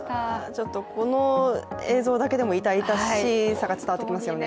ちょっとこの映像だけでも痛々しさが伝わってきますよね。